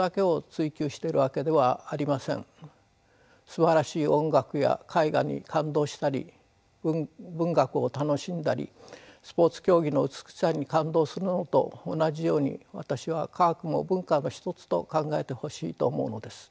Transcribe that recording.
すばらしい音楽や絵画に感動したり文学を楽しんだりスポーツ競技の美しさに感動するのと同じように私は科学も文化の一つと考えてほしいと思うのです。